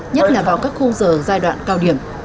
nhất là vào các khung giờ giai đoạn cao điểm